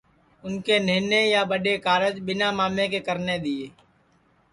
اُن کے نہنے یا ٻڈؔے کارج ٻیٹؔا مامے کے کرنے دؔیئے